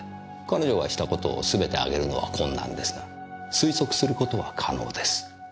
彼女がしたことをすべて挙げるのは困難ですが推測することは可能です。